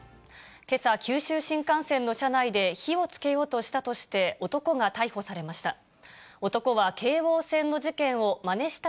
けさ、九州新幹線の車内で、火をつけようとしたとして男が逮捕されました。